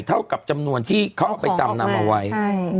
เท่ากับจำนวนที่เขาเป็นจำนำมาไว้เอาของไป